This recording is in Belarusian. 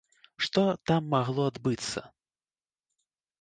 Што там магло адбыцца?